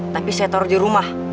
tapi saya taruh di rumah